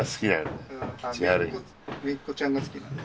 姪っ子ちゃんが好きなんだ。